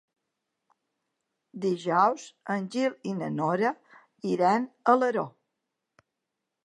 Dijous en Gil i na Nora iran a Alaró.